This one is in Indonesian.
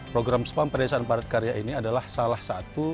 program spam pedesaan padat karya ini adalah salah satu